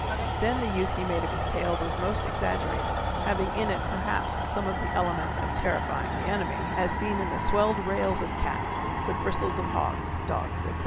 Then the use he made of his tail was most exaggerated, having in it perhaps some of the elements of terrifying the enemy, as seen in the swelled rails of cats, the bristles of hogs, dogs, etc.